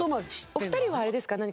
お二人はあれですか？